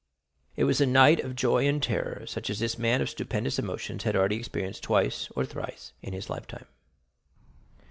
It was a night of joy and terror, such as this man of stupendous emotions had already experienced twice or thrice in his lifetime.